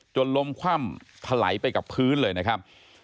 จนล้มคว่ำถลายไปกับพื้นเลยนะครับ